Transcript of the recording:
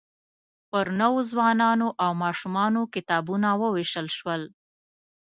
پر نوو ځوانانو او ماشومانو کتابونه ووېشل شول.